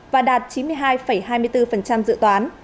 và đạt chín mươi hai hai mươi bốn dự toán